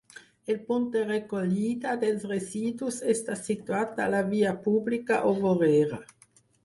El punt de recollida dels residus està situat a la via pública o vorera.